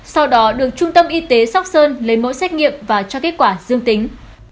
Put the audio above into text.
sau đó được trung tâm y tế sóc sơn lấy mẫu xét nghiệm và cho kết quả dương tính